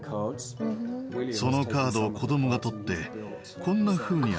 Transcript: そのカードを子どもが取ってこんなふうに遊んでいる。